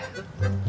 ada yang segera